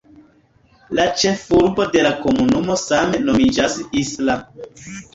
La ĉefurbo de la komunumo same nomiĝas "Isla".